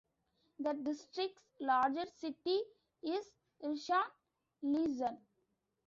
The district's largest city is Rishon LeZion.